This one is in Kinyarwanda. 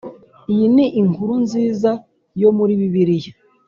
Iyi ni Inkuru nziza yo muri Bibiliya